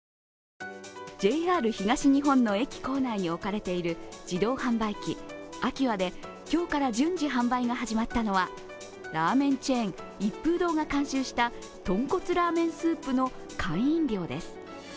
ＪＲ東日本の駅構内に置かれている自動販売機、アキュアで今日から順次販売が始まったのはラーメンチェーン、一風堂が監修したとんこつラーメンスープの缶飲料です。